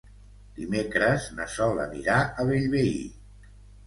Dimecres na Sol anirà a Bellvei.